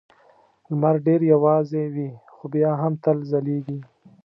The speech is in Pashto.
لمر ډېر یوازې وي خو بیا هم تل ځلېږي.